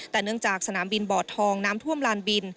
แต่เนื่องจากสนามบินบ่อทองน้ำท่วมลานบิน